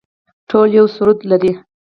ټول یو سرود لري